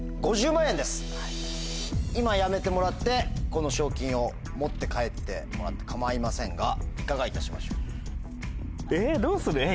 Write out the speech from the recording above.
今やめてもらってこの賞金を持って帰ってもらって構いませんがいかがいたしましょう？